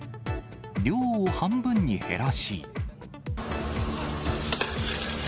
量を半分に減らし。